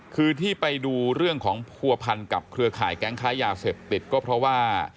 คือที่ไปดูเรื่องของผัวพันกับเครือข่ายแก๊งค้ายาเสพติดก็เพราะว่า